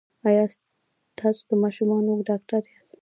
ایا تاسو د ماشومانو ډاکټر یاست؟